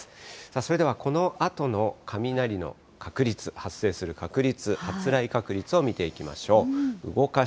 それではこのあとの雷の確率、発生する確率、発雷確率を見ていきましょう。